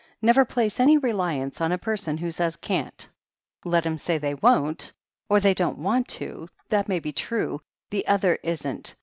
Never place any reliance on a person who says can't. Let 'em say they won't — or they don't want to— that may be true. The other isn't.